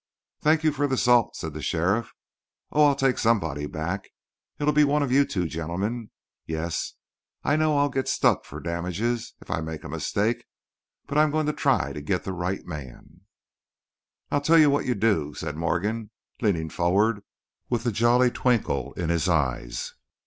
"Thank you for the salt," said the sheriff. "Oh, I'll take somebody back. It'll be one of you two gentlemen. Yes, I know I'd get stuck for damages if I make a mistake. But I'm going to try to get the right man." "I'll tell you what you do," said Morgan, leaning forward with a jolly twinkle in his eyes.